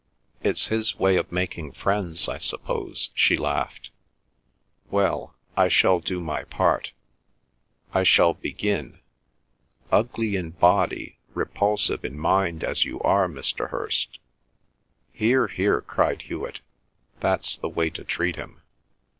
"It's his way of making friends, I suppose," she laughed. "Well—I shall do my part. I shall begin—'Ugly in body, repulsive in mind as you are, Mr. Hirst—'" "Hear, hear!" cried Hewet. "That's the way to treat him.